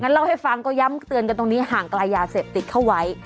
เล่าให้ฟังก็ย้ำเตือนกันตรงนี้ห่างไกลยาเสพติดเข้าไว้